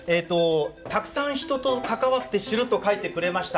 「たくさん人と関わって知る！！」と書いてくれました。